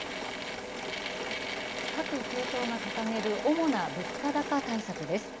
各政党が掲げる主な物価高対策です。